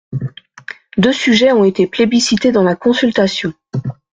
Deux sujets ont été plébiscités dans la consultation.